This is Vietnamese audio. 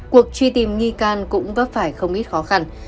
cuộc truy tìm nghi can cũng vấp phải không ít khó khăn